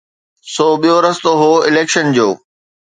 سو ٻيو رستو هو اليڪشن جو.